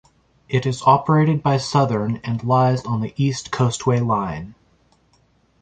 It is operated by Southern and lies on the East Coastway Line.